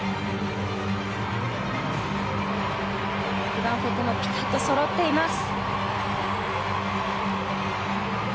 グランフェッテもピタッとそろっています。